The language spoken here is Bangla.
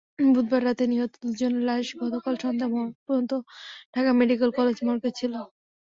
বুধবার রাতে নিহত দুজনের লাশ গতকাল সন্ধ্যা পর্যন্ত ঢাকা মেডিকেল কলেজ মর্গে ছিল।